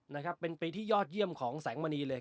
นะครับเป็นปีที่ยอดเยี่ยมของแสงมณีเลย